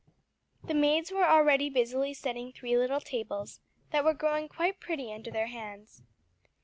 The maids were already busily setting three little tables, that were growing quite pretty under their hands.